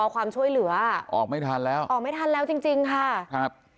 ความช่วยเหลือออกไม่ทันแล้วออกไม่ทันแล้วจริงจริงค่ะครับ